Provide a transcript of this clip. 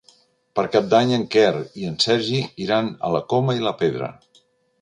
Per Cap d'Any en Quer i en Sergi iran a la Coma i la Pedra.